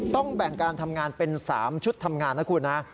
ต้องแบ่งการทำงานเป็น๓ชุดทำงานนะคุณนะ